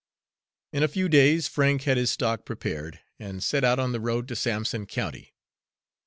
In a few days Frank had his stock prepared, and set out on the road to Sampson County.